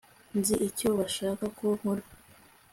nzi icyo bashaka ko nkora